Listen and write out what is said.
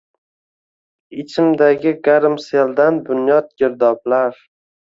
Ichimdagi garmseldan bunyod girdoblar